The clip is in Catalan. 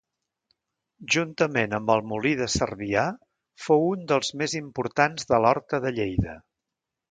Juntament amb el molí de Cervià fou un dels més importants de l'Horta de Lleida.